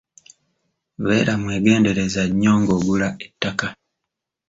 Beera mwegendereza nnyo ng'ogula ettaka.